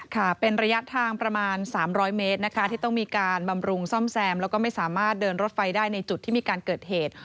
ค่ะเป็นระยะทางประมาณ๓๐๐เมตรนะคะที่ต้องมีการบำรุงซ่อมแซมแล้วก็ไม่สามารถเดินรถไฟได้ในจุดที่มีการเกิดเหตุ